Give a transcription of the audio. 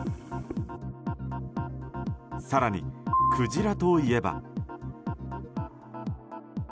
更にクジラといえば。